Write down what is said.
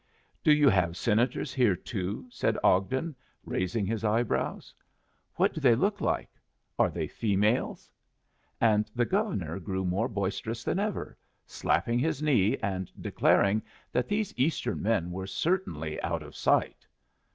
"Do you have Senators here too?" said Ogden, raising his eyebrows. "What do they look like? Are they females?" And the Governor grew more boisterous than ever, slapping his knee and declaring that these Eastern men were certainly "out of sight".